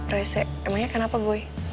rese emangnya kenapa boy